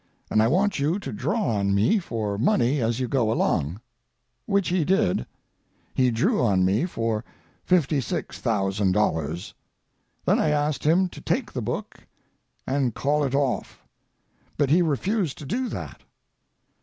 And I want you to draw on me for money as you go along," which he did. He drew on me for $56,000. Then I asked him to take the book and call it off. But he refused to do that.